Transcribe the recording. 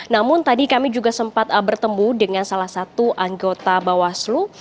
namun tadi kami juga sempat bertemu dengan salah satu anggota bawaslu